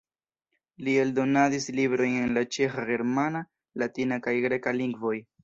Li eldonadis librojn en la ĉeĥa, germana, latina kaj greka lingvoj.